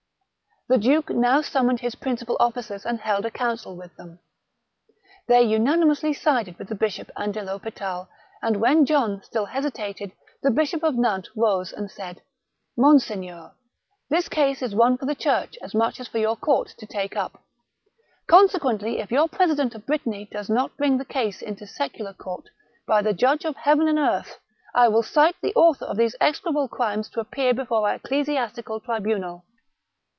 The duke now summoned his principal officers and held a council with them. They unanimously sided with the bishop and de FHospital, and when John still hesi tated, the Bishop of Nantes rose and said :" Mon seigneur, this case is one for the church as much as for your court to take up. Consequently, if your President of Brittany does not bring the case into secular court, by the Judge of heaven and earth ! I will cite the author of these execrable crimes to appear before our ecclesiastical tribunal."